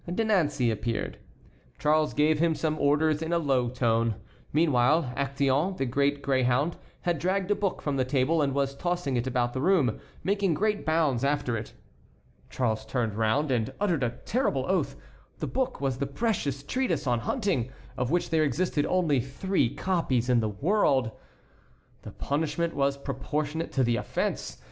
De Nancey appeared. Charles gave him some orders in a low tone. Meanwhile Actéon, the great greyhound, had dragged a book from the table, and was tossing it about the room, making great bounds after it. Charles turned round and uttered a terrible oath. The book was the precious treatise on hunting, of which there existed only three copies in the world. The punishment was proportionate to the offence.